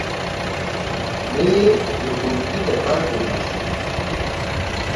نه یې له ټولګي د باندې باسم.